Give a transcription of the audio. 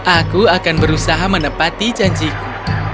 aku akan berusaha menepati janjiku